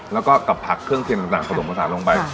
แล้วก็กับผักเครื่องเทียมต่างต่างขนมผสานลงไปค่ะ